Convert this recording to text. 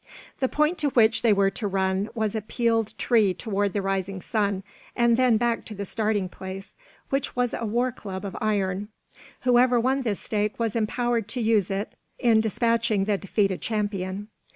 The point to which they were to run was a peeled tree toward the rising sun, and then back to the starting place, which was a war club of iron. Whoever won this stake was empowered to use it in despatching the defeated champion.